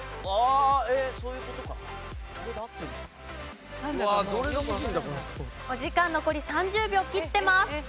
お時間残り３０秒切ってます。